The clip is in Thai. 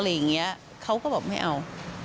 อย่างนี้เขาก็บอกไม่เอา